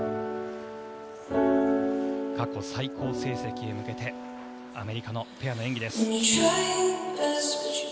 過去最高成績へ向けてアメリカのペアの演技です。